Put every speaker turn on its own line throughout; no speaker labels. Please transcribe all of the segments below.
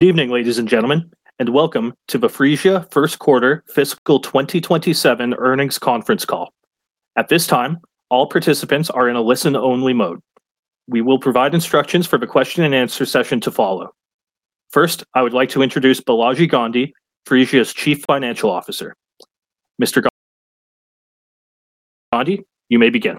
Good evening, ladies and gentlemen, and welcome to the Phreesia first quarter fiscal 2027 earnings conference call. At this time, all participants are in a listen-only mode. We will provide instructions for the question-and-answer session to follow. First, I would like to introduce Balaji Gandhi, Phreesia's Chief Financial Officer. Mr. Gandhi, you may begin.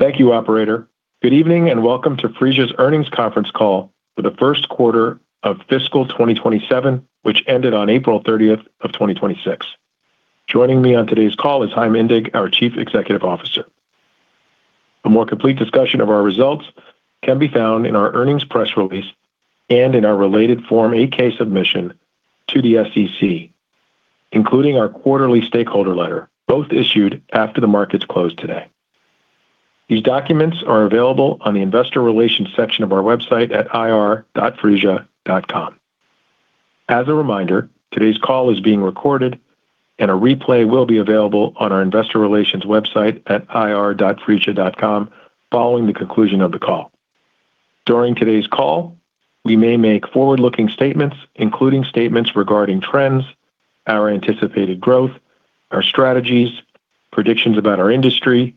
Thank you, operator. Good evening, and welcome to Phreesia's earnings conference call for the first quarter of fiscal 2027, which ended on April 30th of 2026. Joining me on today's call is Chaim Indig, our Chief Executive Officer. A more complete discussion of our results can be found in our earnings press release and in our related Form 8-K submission to the SEC, including our quarterly stakeholder letter, both issued after the markets closed today. These documents are available on the investor relations section of our website at ir.phreesia.com. As a reminder, today's call is being recorded, and a replay will be available on our investor relations website at ir.phreesia.com following the conclusion of the call. During today's call, we may make forward-looking statements, including statements regarding trends, our anticipated growth, our strategies, predictions about our industry,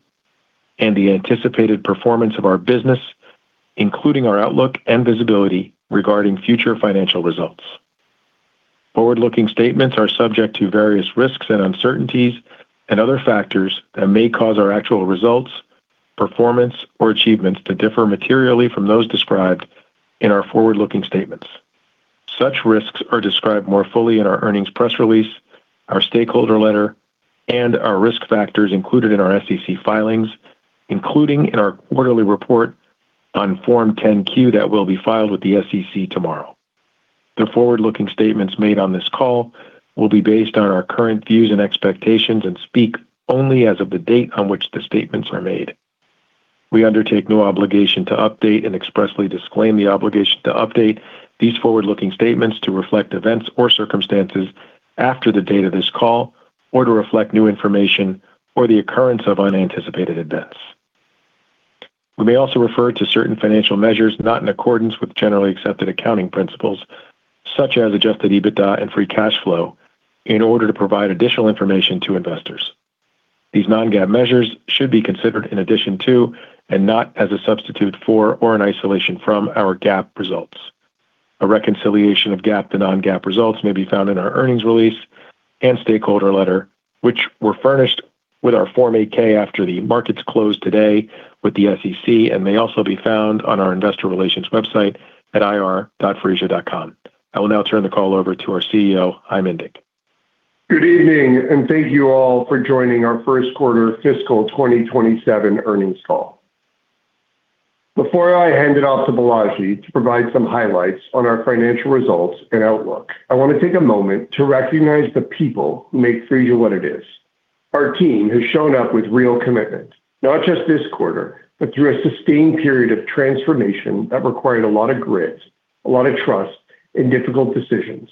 and the anticipated performance of our business, including our outlook and visibility regarding future financial results. Forward-looking statements are subject to various risks and uncertainties and other factors that may cause our actual results, performance, or achievements to differ materially from those described in our forward-looking statements. Such risks are described more fully in our earnings press release, our stakeholder letter, and our risk factors included in our SEC filings, including in our quarterly report on Form 10-Q that will be filed with the SEC tomorrow. The forward-looking statements made on this call will be based on our current views and expectations and speak only as of the date on which the statements are made. We undertake no obligation to update and expressly disclaim the obligation to update these forward-looking statements to reflect events or circumstances after the date of this call or to reflect new information or the occurrence of unanticipated events. We may also refer to certain financial measures not in accordance with generally accepted accounting principles, such as Adjusted EBITDA and free cash flow, in order to provide additional information to investors. These non-GAAP measures should be considered in addition to and not as a substitute for or an isolation from our GAAP results. A reconciliation of GAAP to non-GAAP results may be found in our earnings release and stakeholder letter, which were furnished with our Form 8-K after the markets closed today with the SEC and may also be found on our investor relations website at ir.phreesia.com. I will now turn the call over to our CEO, Chaim Indig.
Good evening. Thank you all for joining our first quarter fiscal 2027 earnings call. Before I hand it off to Balaji to provide some highlights on our financial results and outlook, I want to take a moment to recognize the people who make Phreesia what it is. Our team has shown up with real commitment, not just this quarter, but through a sustained period of transformation that required a lot of grit, a lot of trust, and difficult decisions.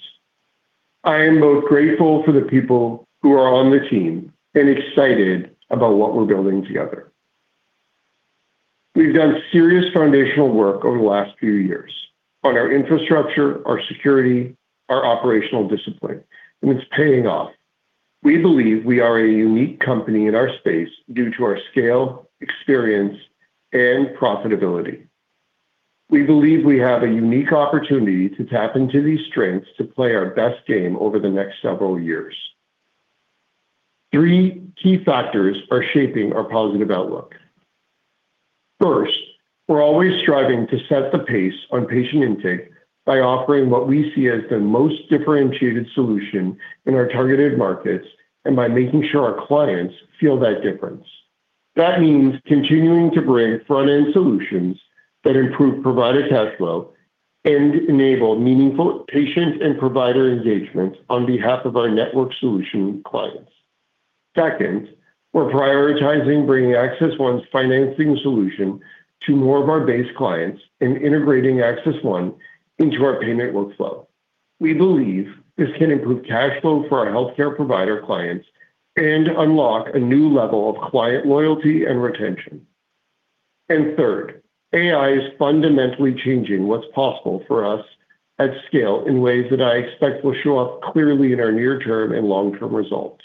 I am both grateful for the people who are on the team and excited about what we're building together. We've done serious foundational work over the last few years on our infrastructure, our security, our operational discipline, and it's paying off. We believe we are a unique company in our space due to our scale, experience, and profitability. We believe we have a unique opportunity to tap into these strengths to play our best game over the next several years. Three key factors are shaping our positive outlook. First, we're always striving to set the pace on patient intake by offering what we see as the most differentiated solution in our targeted markets and by making sure our clients feel that difference. That means continuing to bring front-end solutions that improve provider cash flow and enable meaningful patient and provider engagement on behalf of our network solution clients. Second, we're prioritizing bringing AccessOne's financing solution to more of our base clients and integrating AccessOne into our payment workflow. We believe this can improve cash flow for our healthcare provider clients and unlock a new level of client loyalty and retention. Third, AI is fundamentally changing what's possible for us at scale in ways that I expect will show up clearly in our near-term and long-term results.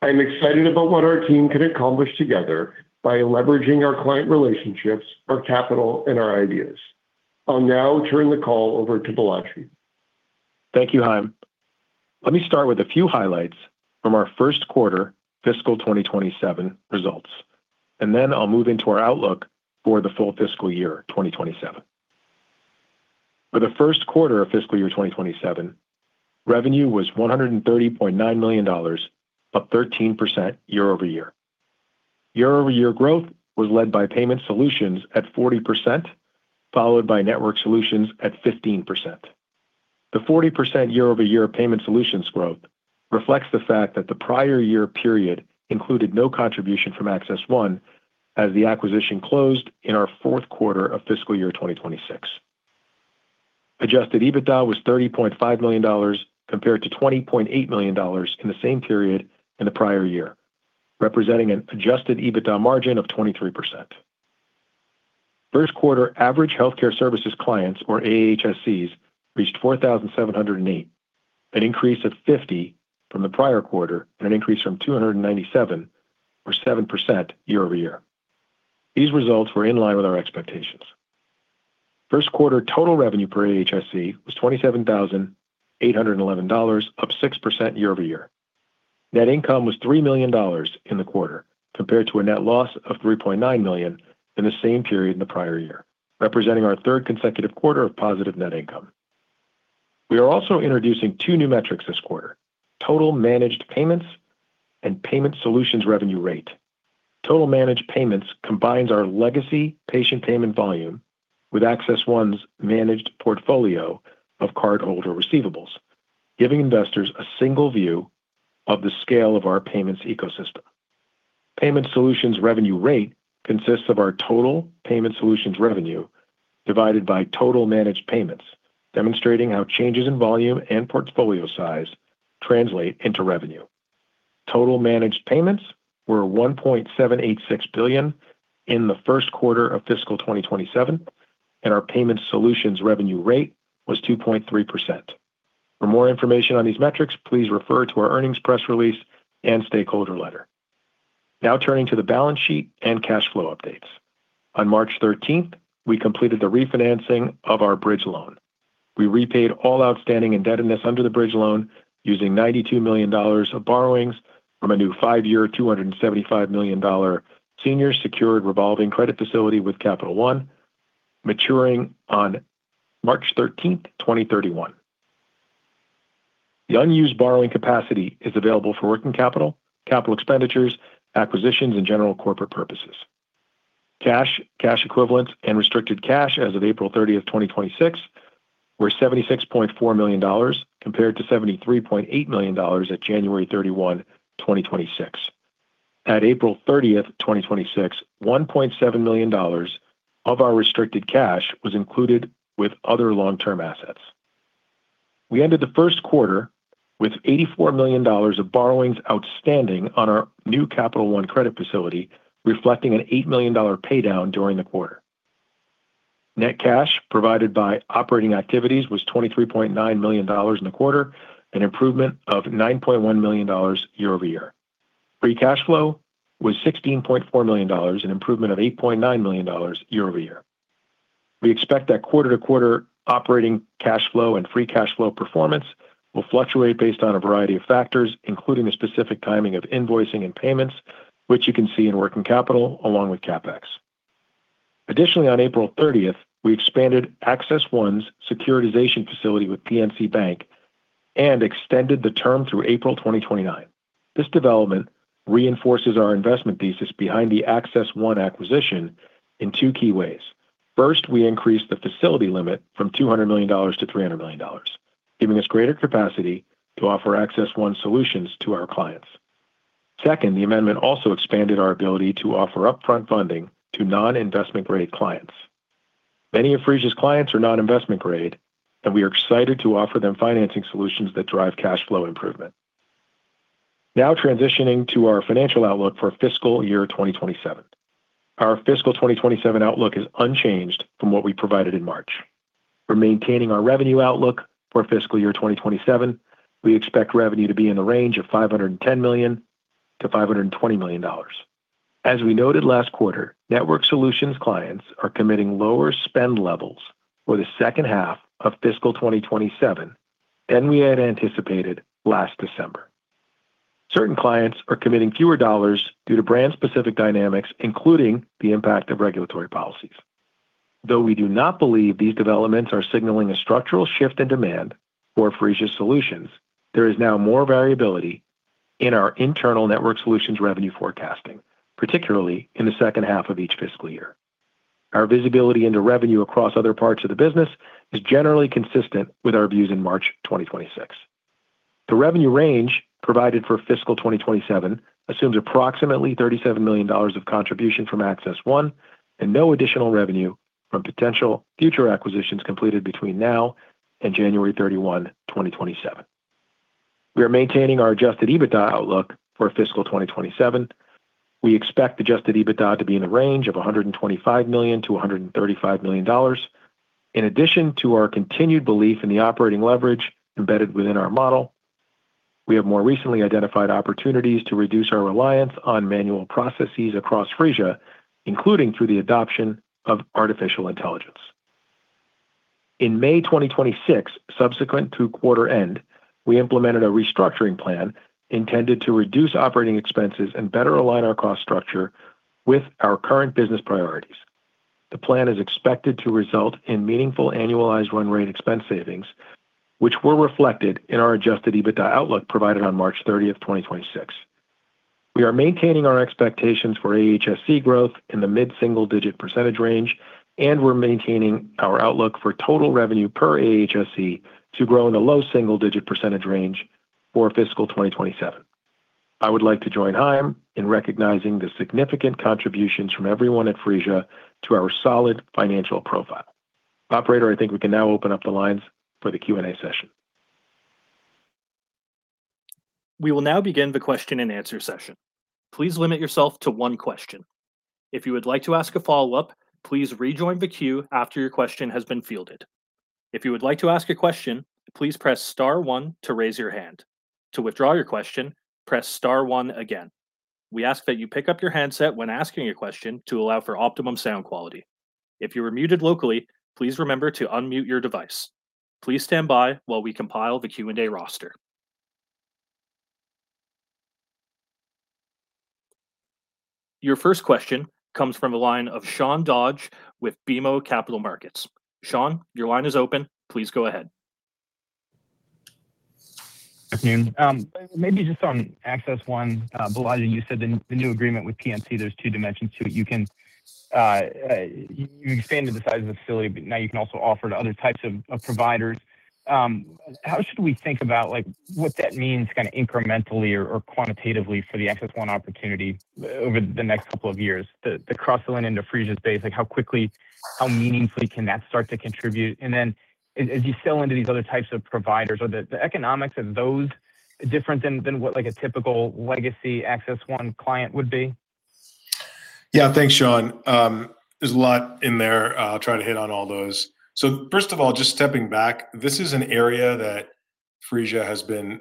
I am excited about what our team can accomplish together by leveraging our client relationships, our capital, and our ideas. I'll now turn the call over to Balaji.
Thank you, Chaim. Let me start with a few highlights from our first quarter fiscal year 2027 results, and then I'll move into our outlook for the full fiscal year 2027. For the first quarter of fiscal year 2027, revenue was $130.9 million, up 13% year-over-year. Year-over-year growth was led by payment solutions at 40%, followed by network solutions at 15%. The 40% year-over-year payment solutions growth reflects the fact that the prior year period included no contribution from AccessOne as the acquisition closed in our fourth quarter of fiscal year 2026. Adjusted EBITDA was $30.5 million compared to $20.8 million in the same period in the prior year, representing an Adjusted EBITDA margin of 23%. First quarter Average Healthcare Services Clients, or AHSCs, reached 4,708, an increase of 50 from the prior quarter and an increase from 297 or 7% year-over-year. These results were in line with our expectations. First quarter total revenue per AHSC was $27,811, up 6% year-over-year. Net income was $3 million in the quarter compared to a net loss of $3.9 million in the same period in the prior year, representing our third consecutive quarter of positive net income. We are also introducing two new metrics this quarter, total managed payments and payment solutions revenue rate. Total managed payments combines our legacy patient payment volume with AccessOne's managed portfolio of cardholder receivables, giving investors a single view of the scale of our payments ecosystem. Payment solutions revenue rate consists of our total payment solutions revenue divided by total managed payments, demonstrating how changes in volume and portfolio size translate into revenue. Total managed payments were $1.786 billion in the first quarter of fiscal 2027, and our payment solutions revenue rate was 2.3%. For more information on these metrics, please refer to our earnings press release and stakeholder letter. Now turning to the balance sheet and cash flow updates. On March 13th, we completed the refinancing of our bridge loan. We repaid all outstanding indebtedness under the bridge loan using $92 million of borrowings from a new five-year, $275 million senior secured revolving credit facility with Capital One, maturing on March 13th, 2031. The unused borrowing capacity is available for working capital expenditures, acquisitions, and general corporate purposes. Cash, cash equivalents, and restricted cash as of April 30th, 2026 were $76.4 million, compared to $73.8 million at January 31, 2026. At April 30th, 2026, $1.7 million of our restricted cash was included with other long-term assets. We ended the first quarter with $84 million of borrowings outstanding on our new Capital One credit facility, reflecting an $8 million pay down during the quarter. Net cash provided by operating activities was $23.9 million in the quarter, an improvement of $9.1 million year-over-year. Free cash flow was $16.4 million, an improvement of $8.9 million year-over-year. We expect that quarter-to-quarter operating cash flow and free cash flow performance will fluctuate based on a variety of factors, including the specific timing of invoicing and payments, which you can see in working capital along with CapEx. Additionally, on April 30th, we expanded AccessOne's securitization facility with PNC Bank and extended the term through April 2029. This development reinforces our investment thesis behind the AccessOne acquisition in two key ways. First, we increased the facility limit from $200 million to $300 million, giving us greater capacity to offer AccessOne solutions to our clients. Second, the amendment also expanded our ability to offer upfront funding to non-investment grade clients. Many of Phreesia's clients are non-investment grade, and we are excited to offer them financing solutions that drive cash flow improvement. Transitioning to our financial outlook for fiscal year 2027. Our fiscal 2027 outlook is unchanged from what we provided in March. We're maintaining our revenue outlook for fiscal year 2027. We expect revenue to be in the range of $510 million-$520 million. As we noted last quarter, network solutions clients are committing lower spend levels for the second half of fiscal 2027 than we had anticipated last December. Certain clients are committing fewer dollars due to brand specific dynamics, including the impact of regulatory policies. Though we do not believe these developments are signaling a structural shift in demand for Phreesia's solutions, there is now more variability in our internal network solutions revenue forecasting, particularly in the second half of each fiscal year. Our visibility into revenue across other parts of the business is generally consistent with our views in March 2026. The revenue range provided for fiscal 2027 assumes approximately $37 million of contribution from AccessOne and no additional revenue from potential future acquisitions completed between now and January 31, 2027. We are maintaining our Adjusted EBITDA outlook for fiscal 2027. We expect Adjusted EBITDA to be in the range of $125 million-$135 million. In addition to our continued belief in the operating leverage embedded within our model, we have more recently identified opportunities to reduce our reliance on manual processes across Phreesia, including through the adoption of artificial intelligence. In May 2026, subsequent to quarter end, we implemented a restructuring plan intended to reduce operating expenses and better align our cost structure with our current business priorities. The plan is expected to result in meaningful annualized run rate expense savings, which were reflected in our Adjusted EBITDA outlook provided on March 30, 2026. We are maintaining our expectations for AHSC growth in the mid-single digit percentage range, and we're maintaining our outlook for total revenue per AHSC to grow in the low single digit percentage range for fiscal 2027. I would like to join Chaim in recognizing the significant contributions from everyone at Phreesia to our solid financial profile. Operator, I think we can now open up the lines for the Q&A session.
We will now begin the question-and-answer session. Please limit yourself to one question. If you would like to ask a follow-up, please rejoin the queue after your question has been fielded. If you would like to ask a question, please press star one to raise your hand. To withdraw your question, press star one again. We ask that you pick up your handset when asking a question to allow for optimum sound quality. If you are muted locally, please remember to unmute your device. Please stand by while we compile the Q&A roster. Your first question comes from the line of Sean Dodge with BMO Capital Markets. Sean, your line is open. Please go ahead.
Good afternoon. Maybe just on AccessOne. Balaji, you said the new agreement with PNC, there's two dimensions to it. You expanded the size of the facility, but now you can also offer to other types of providers. How should we think about what that means incrementally or quantitatively for the AccessOne opportunity over the next couple of years? The cross-sell into Phreesia's base, how quickly, how meaningfully can that start to contribute? As you sell into these other types of providers, are the economics of those different than what a typical legacy AccessOne client would be?
Thanks, Sean. There's a lot in there. I'll try to hit on all those. First of all, just stepping back, this is an area that Phreesia has been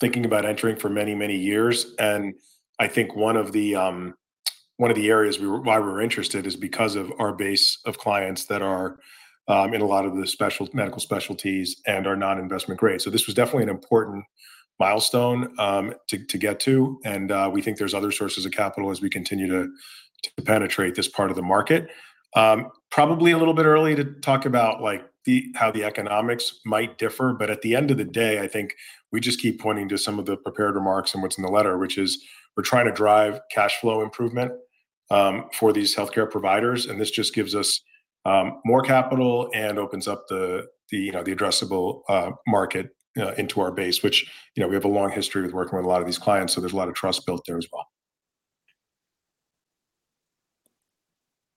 thinking about entering for many, many years, and I think one of the areas why we're interested is because of our base of clients that are in a lot of the medical specialties and are non-investment grade. This was definitely an important milestone to get to, and we think there's other sources of capital as we continue to penetrate this part of the market. Probably a little bit early to talk about how the economics might differ, but at the end of the day, I think we just keep pointing to some of the prepared remarks and what's in the letter, which is we're trying to drive cash flow improvement for these healthcare providers, and this just gives us more capital and opens up the addressable market into our base, which we have a long history with working with a lot of these clients, so there's a lot of trust built there as well.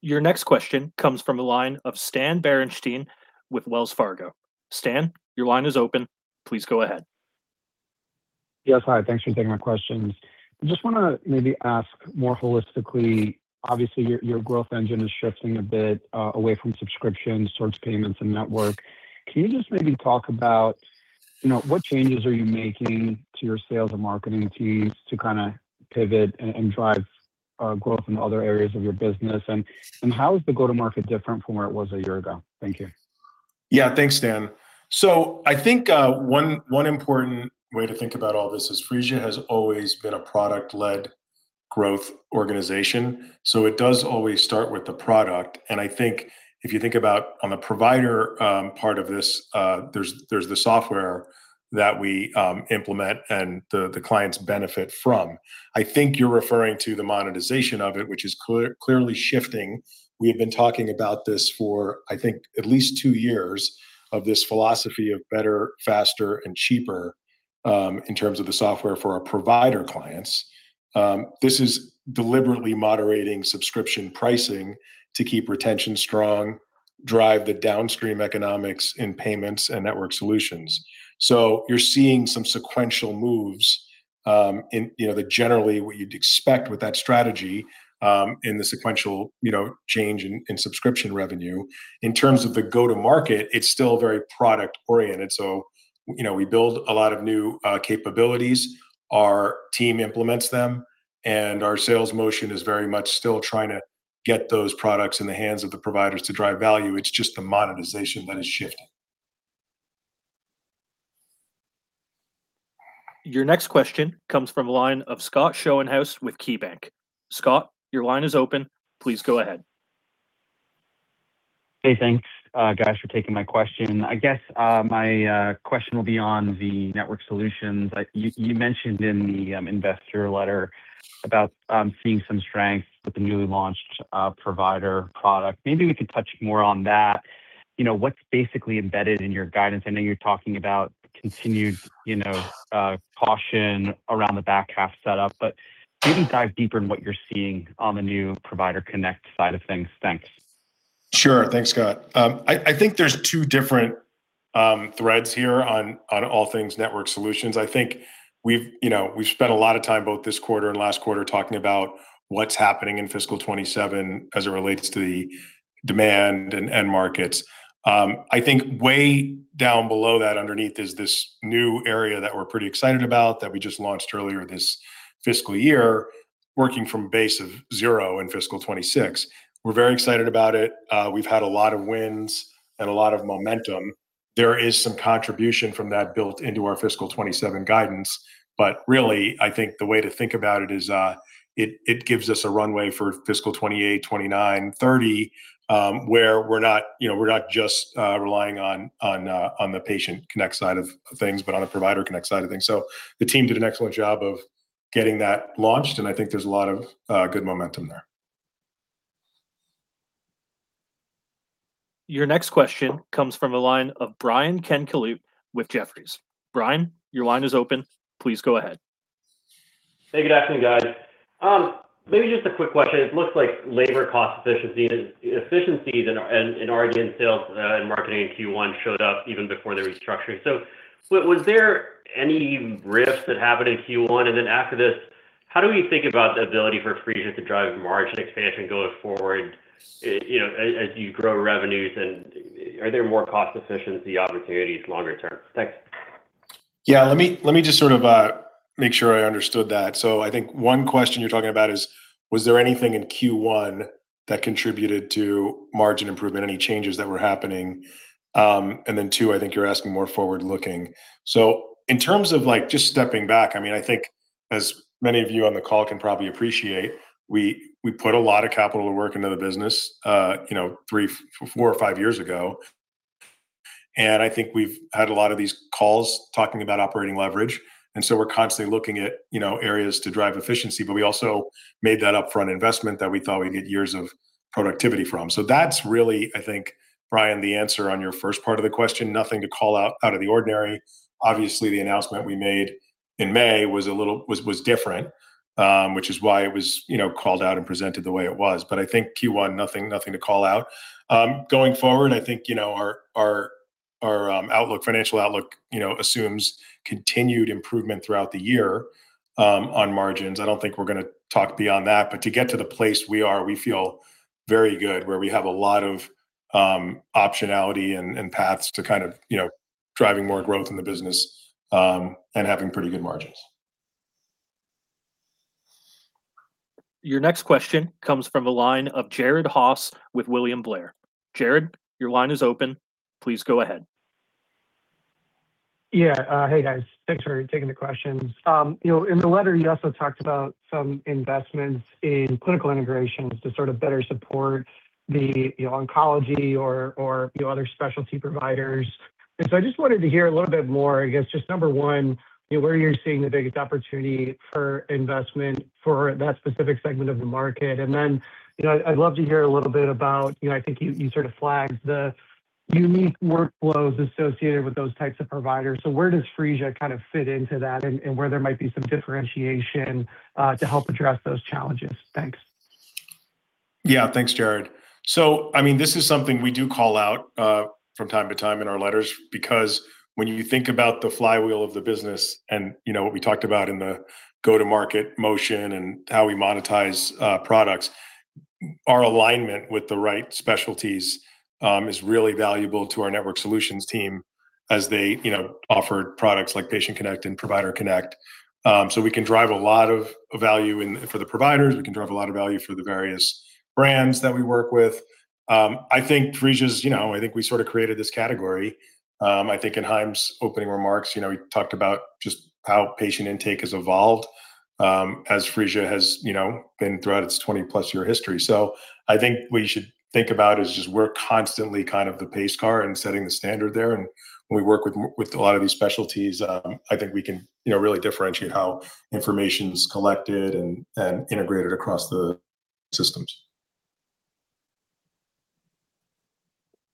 Your next question comes from the line of Stan Berenshteyn with Wells Fargo. Stan, your line is open. Please go ahead.
Yes, hi, thanks for taking my questions. I just want to maybe ask more holistically, obviously, your growth engine is shifting a bit away from subscriptions towards payments and network. Can you just maybe talk about what changes are you making to your sales and marketing teams to pivot and drive growth in other areas of your business? How is the go-to-market different from where it was a year ago? Thank you.
Yeah, thanks, Stan. I think one important way to think about all this is Phreesia has always been a product-led growth organization, so it does always start with the product. I think if you think about on the provider part of this, there's the software that we implement and the clients benefit from. I think you're referring to the monetization of it, which is clearly shifting. We have been talking about this for, I think, at least two years, of this philosophy of better, faster, and cheaper in terms of the software for our provider clients. This is deliberately moderating subscription pricing to keep retention strong, drive the downstream economics in payments and network solutions. You're seeing some sequential moves in generally what you'd expect with that strategy in the sequential change in subscription revenue. In terms of the go-to-market, it's still very product-oriented. We build a lot of new capabilities, our team implements them, and our sales motion is very much still trying to get those products in the hands of the providers to drive value. It's just the monetization that has shifted.
Your next question comes from the line of Scott Schoenhaus with KeyBanc. Scott, your line is open. Please go ahead.
Hey, thanks guys for taking my question. I guess my question will be on the network solutions. You mentioned in the investor letter about seeing some strength with the newly launched ProviderConnect. Maybe we could touch more on that. What's basically embedded in your guidance? I know you're talking about continued caution around the back half setup, but maybe dive deeper in what you're seeing on the new ProviderConnect side of things. Thanks.
Sure. Thanks, Scott. I think there's two different threads here on all things network solutions. I think we've spent a lot of time, both this quarter and last quarter, talking about what's happening in fiscal 2027 as it relates to the demand and end markets. I think way down below that, underneath, is this new area that we're pretty excited about that we just launched earlier this fiscal year, working from a base of zero in fiscal 2026. We're very excited about it. We've had a lot of wins and a lot of momentum. There is some contribution from that built into our fiscal 2027 guidance. Really, I think the way to think about it is it gives us a runway for fiscal 2028, 2029, 2030, where we're not just relying on the PatientConnect side of things, but on the ProviderConnect side of things. The team did an excellent job of getting that launched, and I think there's a lot of good momentum there.
Your next question comes from the line of Brian Tanquilut with Jefferies. Brian, your line is open. Please go ahead.
Hey, good afternoon, guys. Maybe just a quick question. It looks like labor cost efficiencies in overall sales and marketing in Q1 showed up even before the restructuring. Was there any RIF that happened in Q1? After this, how do we think about the ability for Phreesia to drive margin expansion going forward as you grow revenues, and are there more cost efficiency opportunities longer term? Thanks.
Yeah. Let me just make sure I understood that. I think one question you're talking about is was there anything in Q1 that contributed to margin improvement, any changes that were happening? Two, I think you're asking more forward-looking. In terms of just stepping back, I think as many of you on the call can probably appreciate, we put a lot of capital and work into the business four or five years ago. I think we've had a lot of these calls talking about operating leverage, we're constantly looking at areas to drive efficiency. We also made that upfront investment that we thought we'd get years of productivity from. That's really, I think, Brian, the answer on your first part of the question, nothing to call out out of the ordinary. The announcement we made in May was different, which is why it was called out and presented the way it was. I think Q1, nothing to call out. Going forward, I think our financial outlook assumes continued improvement throughout the year on margins. I don't think we're going to talk beyond that, but to get to the place we are, we feel very good where we have a lot of optionality and paths to driving more growth in the business, and having pretty good margins.
Your next question comes from the line of Jared Haase with William Blair. Jared, your line is open. Please go ahead.
Yeah. Hey, guys. Thanks for taking the questions. In the letter, you also talked about some investments in clinical integrations to better support the oncology or other specialty providers. I just wanted to hear a little bit more, I guess, just number one, where you're seeing the biggest opportunity for investment for that specific segment of the market. Then, I'd love to hear a little bit about, I think you sort of flagged the unique workflows associated with those types of providers. Where does Phreesia fit into that and where there might be some differentiation to help address those challenges? Thanks.
Yeah. Thanks, Jared. This is something we do call out from time to time in our letters because when you think about the flywheel of the business and what we talked about in the go-to-market motion and how we monetize products, our alignment with the right specialties is really valuable to our network solutions team as they offer products like PatientConnect and ProviderConnect. We can drive a lot of value for the providers. We can drive a lot of value for the various brands that we work with. I think we sort of created this category. I think in Chaim's opening remarks, he talked about just how patient intake has evolved as Phreesia has been throughout its 20-plus-year history. I think what you should think about is just we're constantly kind of the pace car and setting the standard there. When we work with a lot of these specialties, I think we can really differentiate how information is collected and integrated across the systems.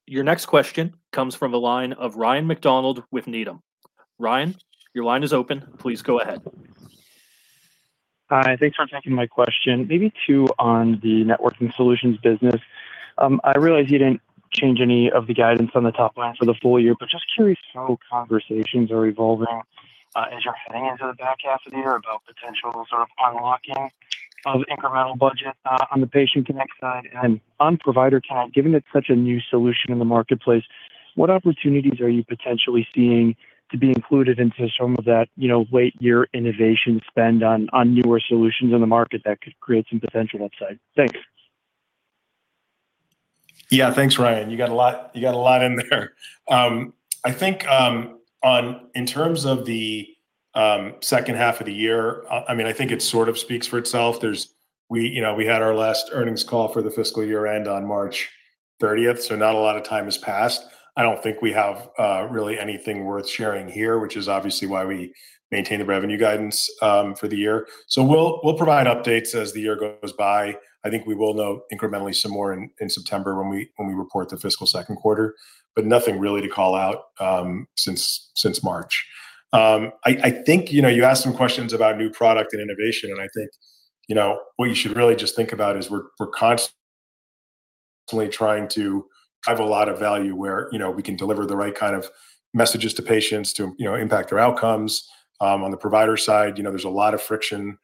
Your next question comes from the line of Ryan MacDonald with Needham. Ryan, your line is open. Please go ahead.
Hi. Thanks for taking my question. Maybe two on the networking solutions business. I realize you didn't change any of the guidance on the top line for the full year, but just curious how conversations are evolving as you're heading into the back half of the year about potential unlocking of incremental budget on the PatientConnect side. On ProviderConnect, given it's such a new solution in the marketplace, what opportunities are you potentially seeing to be included into some of that late year innovation spend on newer solutions in the market that could create some potential upside? Thanks.
Thanks, Ryan. You got a lot in there. I think in terms of the second half of the year, I think it sort of speaks for itself. We had our last earnings call for the fiscal year-end on March 30th, so not a lot of time has passed. I don't think we have really anything worth sharing here, which is obviously why we maintain the revenue guidance for the year. We'll provide updates as the year goes by. I think we will know incrementally some more in September when we report the fiscal second quarter, but nothing really to call out since March. I think you asked some questions about new product and innovation, and I think what you should really just think about is we're constantly trying to drive a lot of value where we can deliver the right kind of messages to patients to impact their outcomes. On the provider side, there's a lot of friction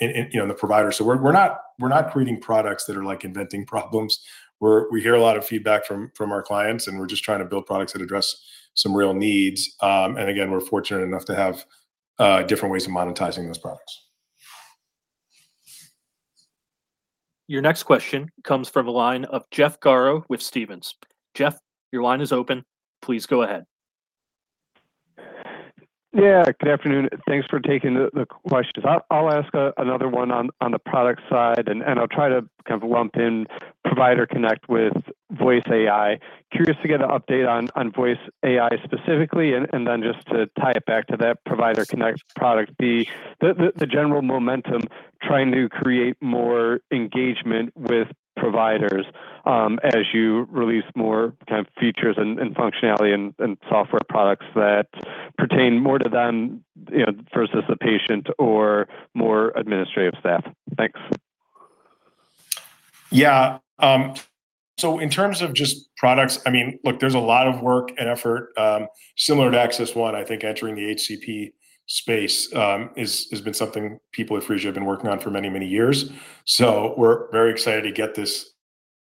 in the providers. We're not creating products that are inventing problems. We hear a lot of feedback from our clients, and we're just trying to build products that address some real needs. Again, we're fortunate enough to have different ways of monetizing those products.
Your next question comes from the line of Jeff Garro with Stephens. Jeff, your line is open. Please go ahead.
Yeah. Good afternoon. Thanks for taking the questions. I'll ask another one on the product side, and I'll try to kind of lump in ProviderConnect with Phreesia VoiceAI. Curious to get an update on Phreesia VoiceAI specifically, and then just to tie it back to that ProviderConnect product, the general momentum trying to create more engagement with providers as you release more kind of features and functionality and software products that pertain more to them versus a patient or more administrative staff. Thanks.
In terms of just products, look, there's a lot of work and effort similar to AccessOne, I think entering the HCP space has been something people at Phreesia have been working on for many, many years. We're very excited to get this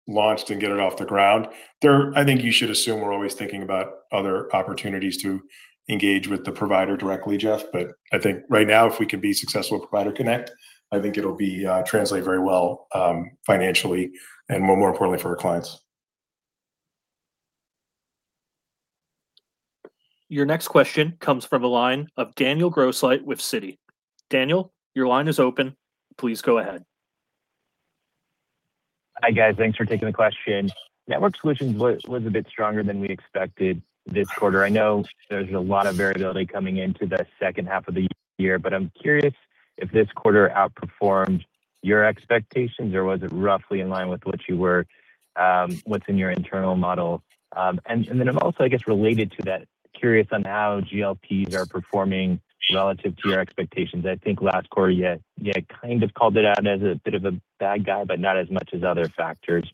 launched and get it off the ground. I think you should assume we're always thinking about other opportunities to engage with the provider directly, Jeff. I think right now, if we can be successful with ProviderConnect, I think it'll translate very well financially and more importantly for our clients.
Your next question comes from the line of Daniel Grosslight with Citi. Daniel, your line is open. Please go ahead.
Hi guys. Thanks for taking the question. Network solutions was a bit stronger than we expected this quarter. I know there's a lot of variability coming into the second half of the year, but I'm curious if this quarter outperformed your expectations or was it roughly in line with what's in your internal model? Also, I guess related to that, curious on how GLPs are performing relative to your expectations. I think last quarter you kind of called it out as a bit of a bad guy, but not as much as other factors.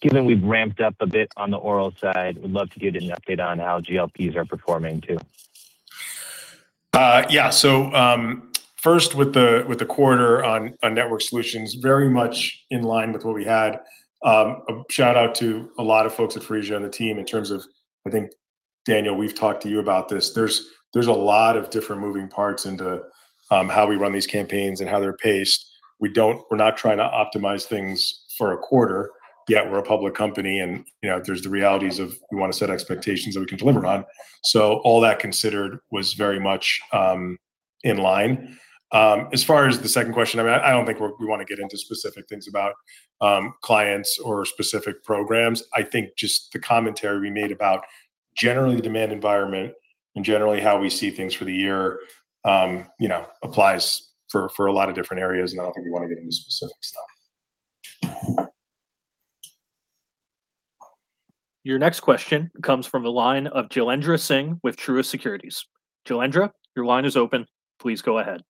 Given we've ramped up a bit on the oral side, would love to get an update on how GLPs are performing too.
Yeah. First with the quarter on network solutions, very much in line with what we had. Shout out to a lot of folks at Phreesia on the team in terms of, I think, Daniel, we've talked to you about this. There's a lot of different moving parts into how we run these campaigns and how they're paced. We're not trying to optimize things for a quarter, yet we're a public company and there's the realities of we want to set expectations that we can deliver on. All that considered was very much in line. As far as the second question, I don't think we want to get into specific things about clients or specific programs. I think just the commentary we made about generally the demand environment and generally how we see things for the year applies for a lot of different areas, and I don't think we want to get into specific stuff.
Your next question comes from the line of Jailendra Singh with Truist Securities. Jailendra, your line is open. Please go ahead.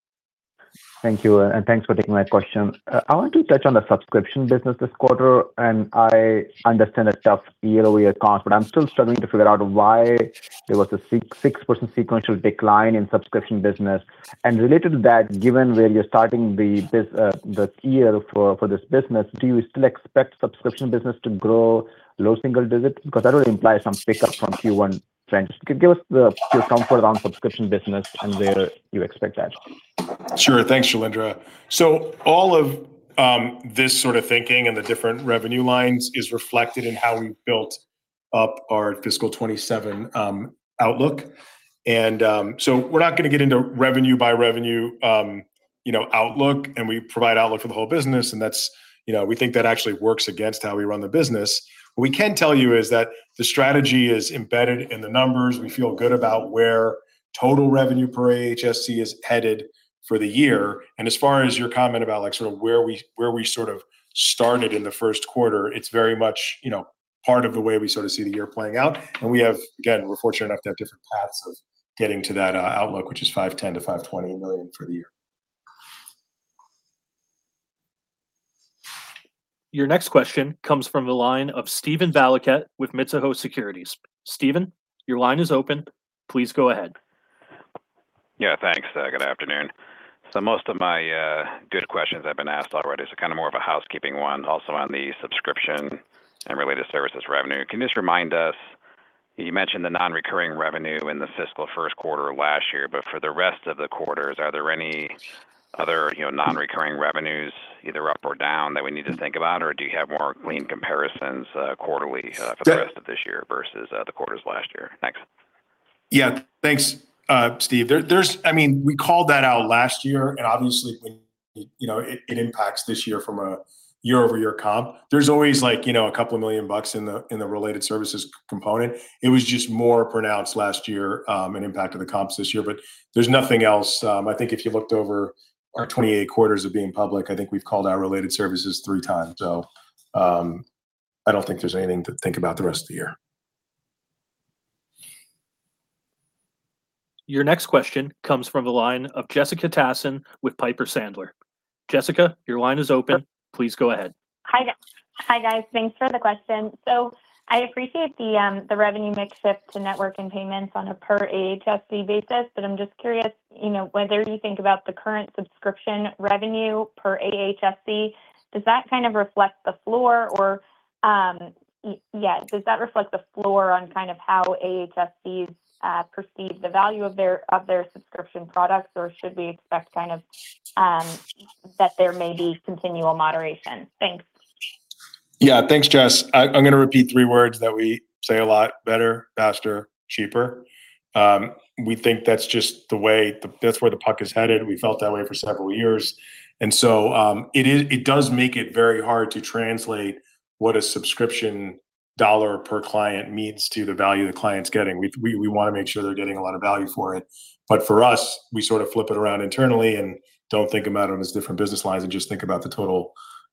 Thank you, and thanks for taking my question. I want to touch on the subscription business this quarter, and I understand the tough year-over-year comps, but I'm still struggling to figure out why there was a 6% sequential decline in subscription business. Related to that, given where you're starting the year for this business, do you still expect subscription business to grow low single digits? That would imply some pickup from Q1 trends. Could you give us your comfort around subscription business and where you expect that?
Sure. Thanks, Jailendra. All of this sort of thinking and the different revenue lines is reflected in how we built up our fiscal 2027 outlook. We're not going to get into revenue by revenue outlook, we provide outlook for the whole business. We think that actually works against how we run the business. What we can tell you is that the strategy is embedded in the numbers. We feel good about where total revenue per AHSC is headed for the year. As far as your comment about where we sort of started in the first quarter, it's very much part of the way we see the year playing out. Again, we're fortunate enough to have different paths of getting to that outlook, which is $510 million-$520 million for the year.
Your next question comes from the line of Steven Valiquette with Mizuho Securities. Steven, your line is open. Please go ahead.
Yeah, thanks. Good afternoon. Most of my good questions have been asked already, so kind of more of a housekeeping one. Also on the subscription and related services revenue, can you just remind us, you mentioned the non-recurring revenue in the fiscal first quarter of last year, but for the rest of the quarters, are there any other non-recurring revenues either up or down that we need to think about, or do you have more clean comparisons quarterly for the rest of this year versus the quarters last year? Thanks.
Thanks, Steven. We called that out last year, and obviously it impacts this year from a year-over-year comp. There's always a couple of million dollars in the related services component. It was just more pronounced last year and impacted the comps this year, there's nothing else. I think if you looked over our 28 quarters of being public, I think we've called out related services three times. I don't think there's anything to think about the rest of the year.
Your next question comes from the line of Jessica Tassan with Piper Sandler. Jessica, your line is open. Please go ahead.
Hi guys. Thanks for the question. I appreciate the revenue mix shift to network and payments on a per AHSC basis, I'm just curious whether you think about the current subscription revenue per AHSC, does that reflect the floor on kind of how AHSCs perceive the value of their subscription products, or should we expect that there may be continual moderation? Thanks.
Thanks, Jessica. I'm going to repeat three words that we say a lot: better, faster, cheaper. We think that's where the puck is headed. We felt that way for several years. It does make it very hard to translate what a subscription dollar per client means to the value the client's getting. We want to make sure they're getting a lot of value for it. For us, we sort of flip it around internally and don't think about them as different business lines and just think about the total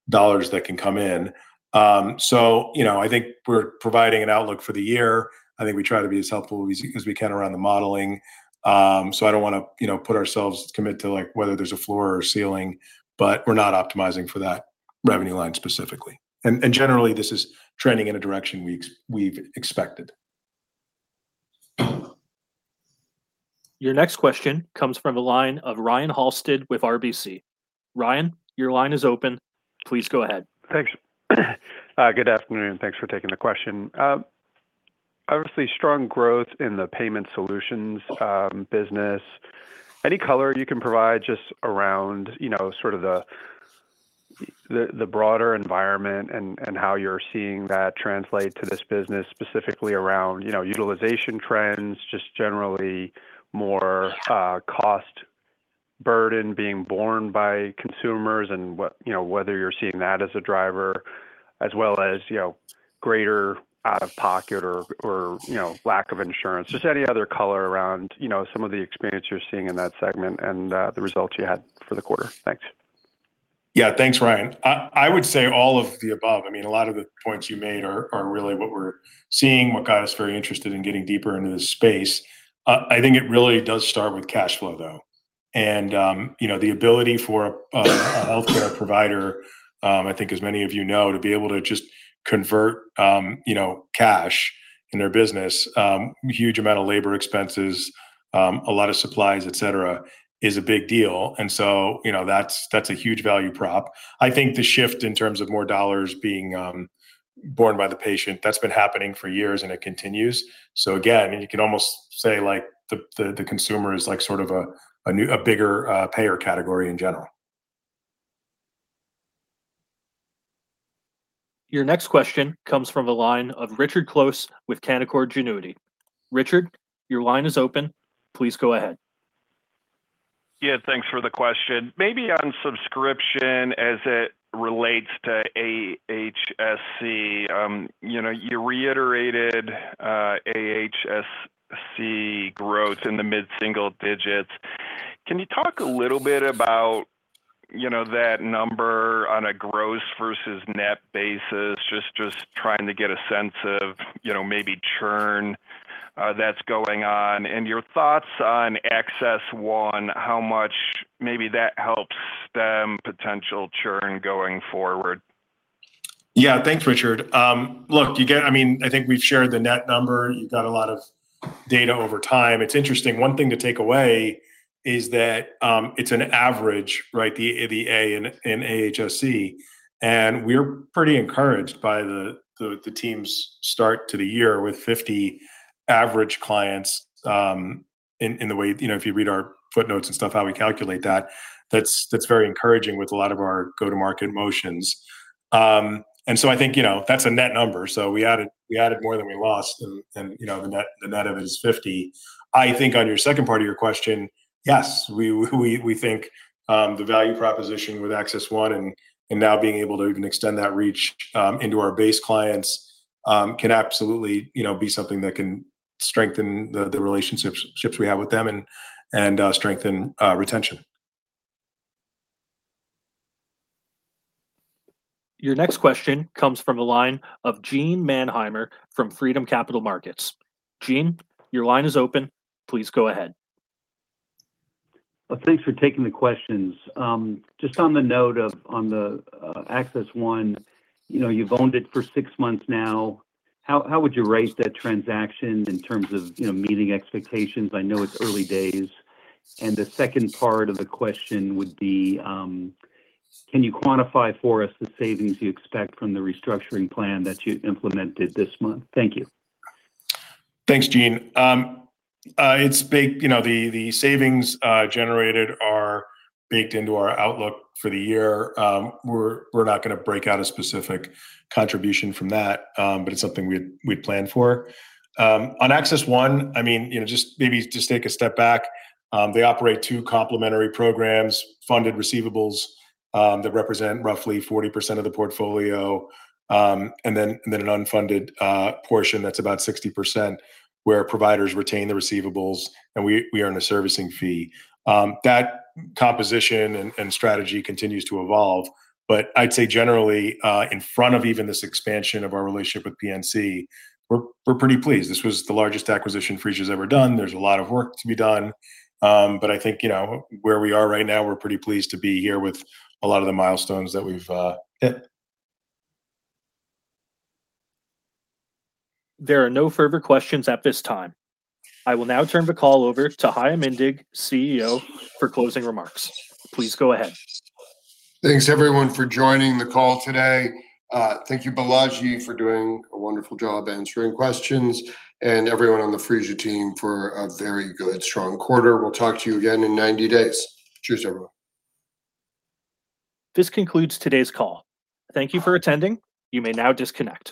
dollars that can come in. I think we're providing an outlook for the year. I think we try to be as helpful as we can around the modeling. I don't want to commit to whether there's a floor or a ceiling, we're not optimizing for that revenue line specifically. Generally, this is trending in a direction we've expected.
Your next question comes from the line of Ryan Halsted with RBC. Ryan, your line is open. Please go ahead.
Thanks. Good afternoon. Thanks for taking the question. Obviously, strong growth in the payment solutions business. Any color you can provide just around sort of the broader environment and how you're seeing that translate to this business, specifically around utilization trends, just generally more cost burden being borne by consumers and whether you're seeing that as a driver, as well as greater out-of-pocket or lack of insurance. Just any other color around some of the experience you're seeing in that segment and the results you had for the quarter. Thanks.
Yeah. Thanks, Ryan. I would say all of the above. A lot of the points you made are really what we're seeing, what got us very interested in getting deeper into this space. I think it really does start with cash flow, though. The ability for a healthcare provider, I think as many of you know, to be able to just convert cash in their business, huge amount of labor expenses, a lot of supplies, et cetera, is a big deal. That's a huge value prop. I think the shift in terms of more dollars being borne by the patient, that's been happening for years, and it continues. Again, you could almost say the consumer is sort of a bigger payer category in general.
Your next question comes from the line of Richard Close with Canaccord Genuity. Richard, your line is open. Please go ahead.
Yeah, thanks for the question. Maybe on subscription as it relates to AHSC. You reiterated AHSC growth in the mid-single digits. Can you talk a little bit about that number on a gross versus net basis? Just trying to get a sense of maybe churn that's going on, and your thoughts on AccessOne, how much maybe that helps stem potential churn going forward.
Yeah. Thanks, Richard. Look, I think we've shared the net number. You've got a lot of data over time. It's interesting. One thing to take away is that it's an average, right? The A in AHSC. We're pretty encouraged by the team's start to the year with 50 average clients in the way, if you read our footnotes and stuff, how we calculate that. That's very encouraging with a lot of our go-to-market motions. I think that's a net number. We added more than we lost, and the net of it is 50. I think on your second part of your question, yes, we think the value proposition with AccessOne and now being able to even extend that reach into our base clients can absolutely be something that can strengthen the relationships we have with them and strengthen retention.
Your next question comes from the line of Gene Mannheimer from Freedom Capital Markets. Gene, your line is open. Please go ahead.
Thanks for taking the questions. Just on the note of AccessOne, you've owned it for six months now. How would you rate that transaction in terms of meeting expectations? I know it's early days. The second part of the question would be, can you quantify for us the savings you expect from the restructuring plan that you implemented this month? Thank you.
Thanks, Gene. The savings generated are baked into our outlook for the year. We're not going to break out a specific contribution from that, but it's something we'd planned for. On AccessOne, maybe just take a step back. They operate two complementary programs, funded receivables that represent roughly 40% of the portfolio, and then an unfunded portion that's about 60%, where providers retain the receivables and we earn a servicing fee. That composition and strategy continues to evolve, but I'd say generally, in front of even this expansion of our relationship with PNC, we're pretty pleased. This was the largest acquisition Phreesia's ever done. There's a lot of work to be done. I think where we are right now, we're pretty pleased to be here with a lot of the milestones that we've hit.
There are no further questions at this time. I will now turn the call over to Chaim Indig, CEO, for closing remarks. Please go ahead.
Thanks everyone for joining the call today. Thank you, Balaji, for doing a wonderful job answering questions, and everyone on the Phreesia team for a very good, strong quarter. We'll talk to you again in 90 days. Cheers, everyone.
This concludes today's call. Thank you for attending. You may now disconnect.